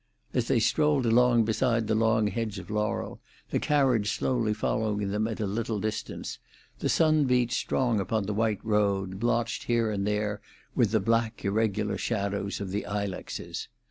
As they strolled along beside the long hedge of laurel, the carriage slowly following them at a little distance, the sun beat strong upon the white road, blotched here and there with the black irregular shadows of the ilexes.